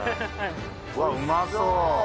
うわっうまそう。